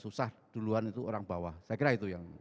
susah duluan itu orang bawah saya kira itu yang